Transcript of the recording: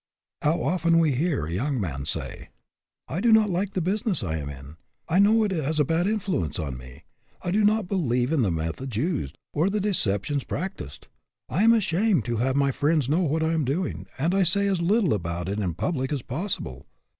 How often we hear a young man say :" I do not like the business I am in. I know it has a bad influence on me. I do not believe in the methods used, or the deceptions prac ticed. I am ashamed to have my friends know what I am doing, and I say as little about it in public as possible.